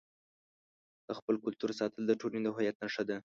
د خپل کلتور ساتل د ټولنې د هویت نښه ده.